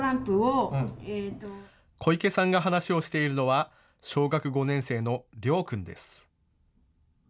小池さんが話をしているのは小学５年生のりょう君です。